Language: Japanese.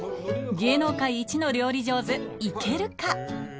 芸能界一の料理上手いけるか？